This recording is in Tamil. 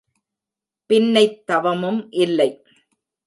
பின்னைத் தவமும் இல்லை.